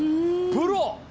プロ！